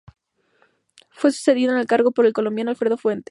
Fue sucedido en el cargo por el colombiano Alfredo Fuentes.